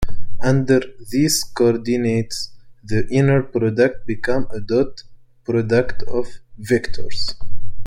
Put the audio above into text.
Under these coordinates, the inner product becomes a dot product of vectors.